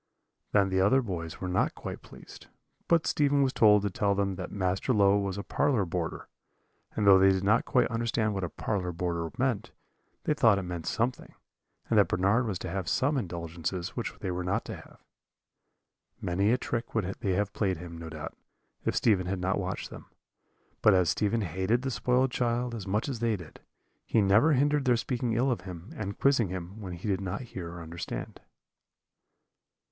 "Then the other boys were not quite pleased; but Stephen was told to tell them that Master Low was a parlour boarder; and though they did not quite understand what a parlour boarder meant, they thought it meant something, and that Bernard was to have some indulgences which they were not to have. "Many a trick would they have played him, no doubt, if Stephen had not watched them. But as Stephen hated the spoiled child as much as they did, he never hindered their speaking ill of him, and quizzing him, when he did not hear or understand.